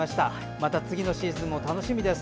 また次のシーズンも楽しみです。